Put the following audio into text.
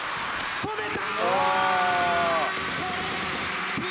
「止めた！」